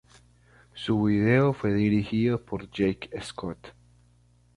Su vídeo fue dirigido por Jake Scott.